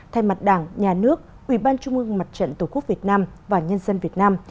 thay mặt đảng nhà nước ủy ban trung ương mặt trận tổ quốc việt nam và nhân dân việt nam